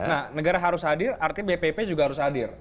nah negara harus hadir artinya bpp juga harus hadir